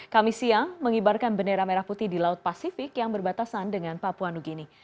kami siang mengibarkan bendera merah putih di laut pasifik yang berbatasan dengan papua new guinea